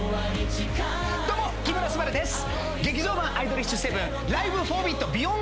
どうも木村昴です。